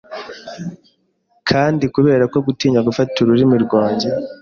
Kandi kubera ko gutinya gufata ururimi rwanjye